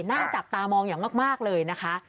หน้าจับตามองอย่างมากเลยนะคะ